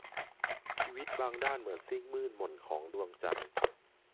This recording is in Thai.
ชีวิตบางด้านเหมือนซีกมืดหม่นของดวงจันทร์